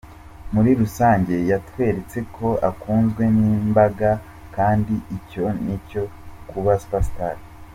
Muri rusange yatweretse ko akunzwe n’imbaga kandi icyo nicyo kuba super star.